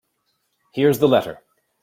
Here is the letter.